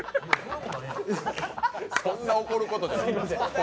そんな怒ることじゃない。